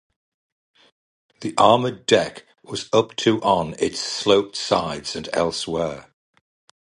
The armored deck was up to on its sloped sides and elsewhere.